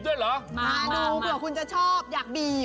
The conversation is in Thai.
ตรงนั้นละตรงนั้นละ